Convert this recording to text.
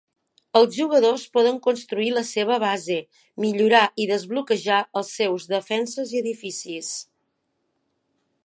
Els jugadors poden construir la seva base, millorar i desbloquejar els seus defenses i edificis.